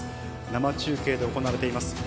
生中継で行われています。